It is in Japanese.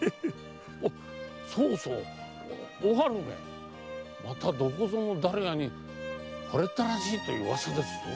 そうそうお春がまたどこぞの誰やに惚れたらしいという噂ですぞ。